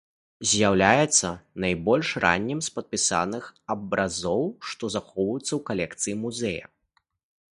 З'яўляецца найбольш раннім з падпісаных абразоў, што захоўваюцца ў калекцыі музея.